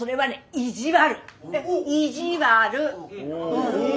意地悪。